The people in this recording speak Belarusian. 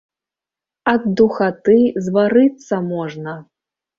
Ад духаты зварыцца можна.